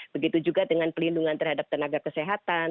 begitu juga dengan pelindungan terhadap tenaga kesehatan